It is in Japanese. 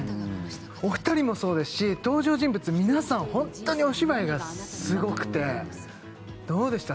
お二人もそうですし登場人物皆さんホントにお芝居がすごくてどうでした？